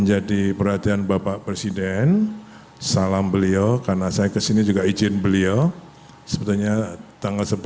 jalan tol probolinggo besuki sepanjang tujuh puluh lima km